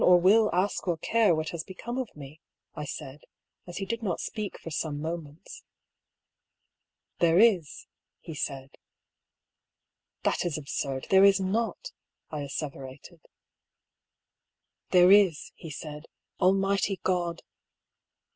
PAULL'S THEORY. will ask or care what has become of me," I said, as he did not speak for some moments. " There is," he said. " That is absurd ; there is wo^," I asseverated* « There is," he said,—" Almighty God